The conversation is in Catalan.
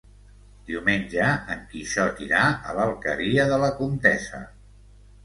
Diumenge en Quixot irà a l'Alqueria de la Comtessa.